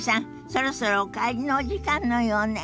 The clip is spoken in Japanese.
そろそろお帰りのお時間のようね。